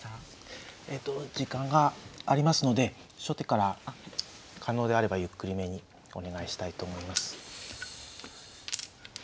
えっと時間がありますので初手から可能であればゆっくりめにお願いしたいと思います。